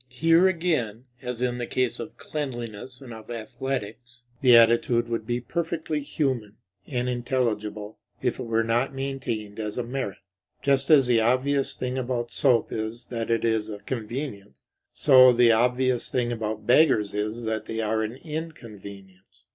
Here again, as in the case of cleanliness and of athletics, the attitude would be perfectly human and intelligible if it were not maintained as a merit. Just as the obvious thing about soap is that it is a convenience, so the obvious thing about beggars is that they are an inconvenience.